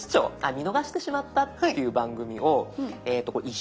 見逃してしまったっていう番組を１週間ですかね